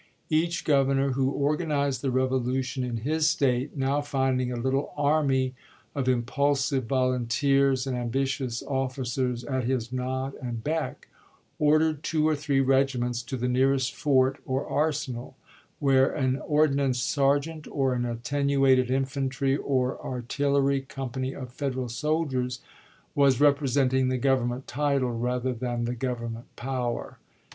Each Governor who organized the revolution in his State, now find ing a little army of impulsive volunteers and ambitious officers at his nod and beck, ordered two or three regiments to the nearest fort or ar senal, where an ordnance sergeant or an attenu ated infantry or artillery company of Federal soldiers was representing the Government title rather than the Government power.